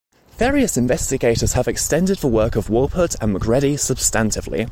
Various investigators have extended the work of Wolpert and Macready substantively.